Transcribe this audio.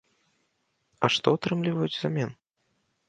А што атрымліваюць узамен?